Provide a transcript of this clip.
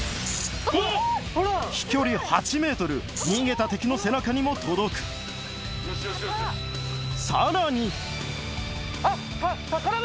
飛距離８ｍ逃げた敵の背中にも届くさらにあっあっ！